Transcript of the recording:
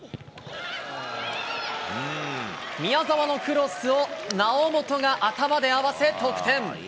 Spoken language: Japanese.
宮澤のクロスを猶本が頭で合わせ得点。